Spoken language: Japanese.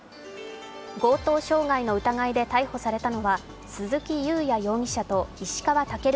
強盗傷害の疑いで逮捕されたのは鈴木雄也容疑者と石川健